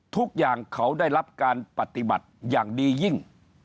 ทุกอย่างเขาได้รับการปฏิบัติอย่างดียิ่ง